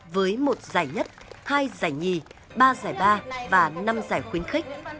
với một giải nhất hai giải nhì ba giải ba và năm giải khuyến khích